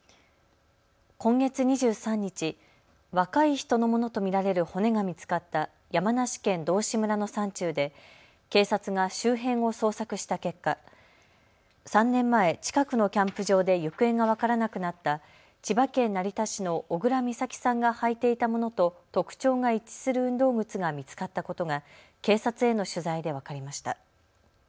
今月２３日、若い人のものと見られる骨が見つかった山梨県道志村の山中で警察が周辺を捜索した結果、３年前、近くのキャンプ場で行方が分からなくなった千葉県成田市の小倉美咲さんが履いていたものと特徴が一致する運動靴が見つかったことが警察への取材で分かりました。